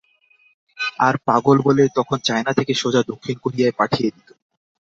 আর পাগল বলে তখন চায়না থেকে সোজা দক্ষিণ কোরিয়ায় পাঠিয়ে দিত।